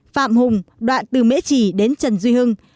phạm hùng đoạn từ mễ trì đến trần duy hưng